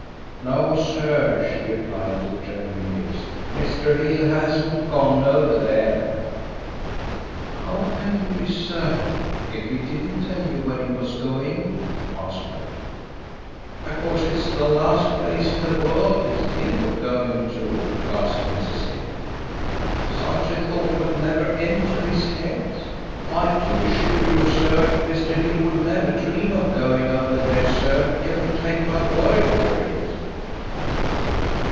"No, sir," she replied, with trembling lips, "Mr. Hill hasn't gone over there." "How can you be certain, if he didn't tell you where he was going?" asked Rolfe. "Because it's the last place in the world he'd think of going to," gasped Mrs. Hill. "Such a thought would never enter his head. I do assure you, sir, Mr. Hill would never dream of going over there, sir, you can take my word for it."